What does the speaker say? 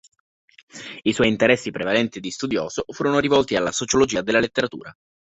I suoi interessi prevalenti di studioso furono rivolti alla sociologia della letteratura.